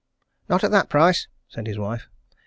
"Not at that price!" said his wife.